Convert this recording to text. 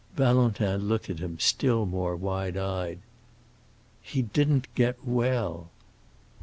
Valentin looked at him, still more wide eyed. "He didn't get well."